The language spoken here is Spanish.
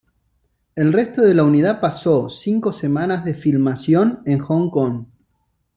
El resto de la unidad pasó cinco semanas de filmación en Hong Kong.